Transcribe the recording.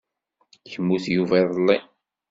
Yemmut Yuba iḍelli.